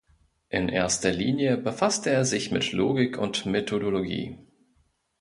In erster Linie befasste er sich mit Logik und Methodologie.